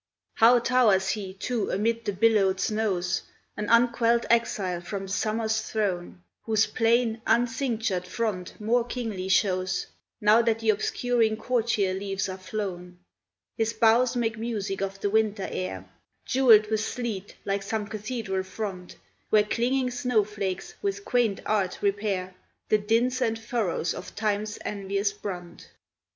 How towers he, too, amid the billowed snows, An unquelled exile from the summer's throne, Whose plain, uncinctured front more kingly shows, Now that the obscuring courtier leaves are flown. His boughs make music of the winter air, Jewelled with sleet, like some cathedral front Where clinging snow flakes with quaint art repair The dints and furrows of time's envious brunt.